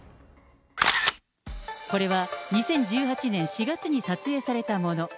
これは２０１８年４月に撮影されたもの。